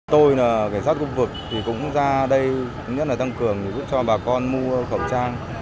tôi là cảnh sát khu vực thì cũng ra đây nhất là tăng cường giúp cho bà con mua khẩu trang